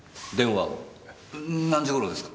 何時ごろですか？